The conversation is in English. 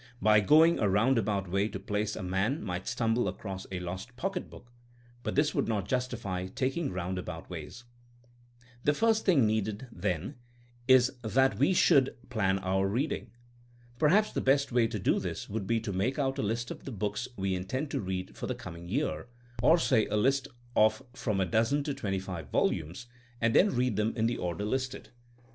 By going a round about way to a place a man might stumble across a lost pock etbook, but this would not justify taking round about ways. The first thing needed, then, is that we should THINKING AS A 80IEN0E 229 plan our reading. Perhaps the best way to do this would be to make out a list of the books we intend to read for the coming year, or say a list of from a dozen to twenty five volumes, and then read them in the order listed.